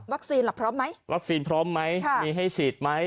วัคซีนหรือพร้อมไหมวัคซีนพร้อมไหมมีให้ฉีดไหม